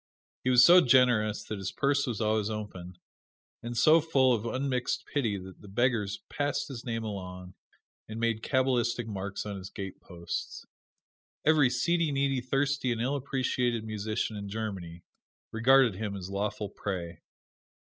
He was so generous that his purse was always open, and so full of unmixed pity that the beggars passed his name along and made cabalistic marks on his gateposts. Every seedy, needy, thirsty and ill appreciated musician in Germany regarded him as lawful prey.